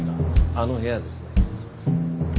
あの部屋ですね。